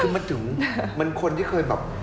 คือมันถึงเหมือนคนที่เคยแบบ